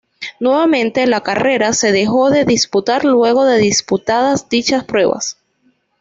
Nuevamente la carrera se dejó de disputar luego de disputadas dichas pruebas.